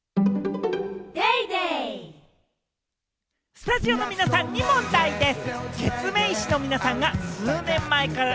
スタジオの皆さんに問題です。